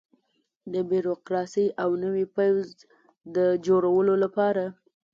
د بیروکراسۍ او نوي پوځ د جوړولو لپاره.